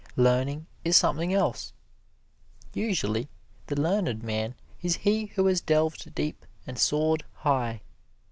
Learning is something else. Usually, the learned man is he who has delved deep and soared high.